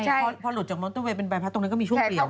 ใช่พอหลุดจากมอเตอร์เวย์เป็นบายพลาสตรงนั้นก็มีช่วงเปลี่ยวเนอะ